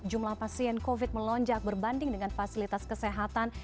jumlah pasien covid melonjak berbanding dengan fasilitas kesehatan